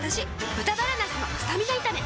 「豚バラなすのスタミナ炒め」